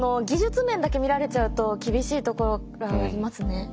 技術面だけ見られちゃうと厳しいところがありますね。